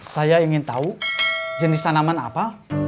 saya ingin tahu jenis tanaman apa